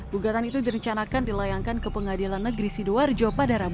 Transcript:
gugatan itu direncanakan dilayangkan ke pengadilan negeri sidoarjo